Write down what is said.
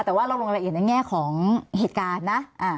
แต่ว่าเราลงละเอียดในแง่ของเหตุการณ์นะ